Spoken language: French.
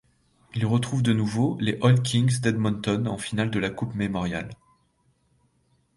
Ils retrouvent de nouveau les Oil Kings d'Edmonton en finale de la Coupe Memorial.